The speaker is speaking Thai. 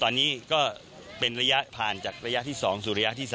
ตอนนี้ก็เป็นระยะผ่านจากระยะที่๒สู่ระยะที่๓